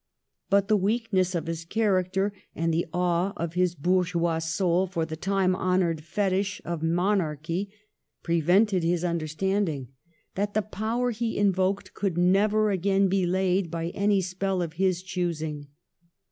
But the weakness of his character, and the awe of his bourgeois soul for the time honored fetich of monarchy, prevented his understanding that the power he invoked could never again be laid by any spell of his choosing.